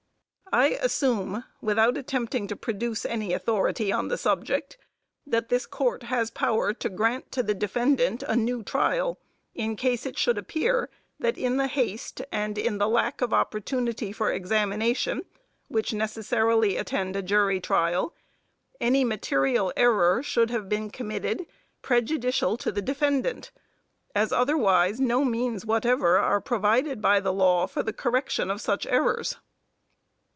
I assume, without attempting to produce any authority on the subject, that this Court has power to grant to the defendant a new trial in case it should appear that in the haste and in the lack of opportunity for examination which necessarily attend a jury trial, any material error should have been committed prejudicial to the defendant, as otherwise no means whatever are provided by the law for the correction of such errors.